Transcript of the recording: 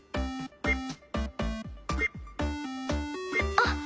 あっ！